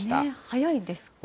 早いですか？